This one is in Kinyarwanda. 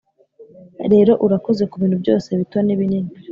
rero, urakoze kubintu byose, bito n'ibinini,